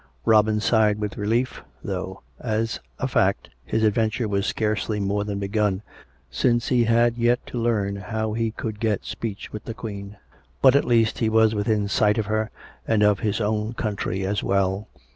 Robin sighed with relief, though, as a fact, his adventure was scarcely more than be gun, since he had yet to learn how he could get speech with the Queen; but, at least, he was within sight of her, and of his own country as well.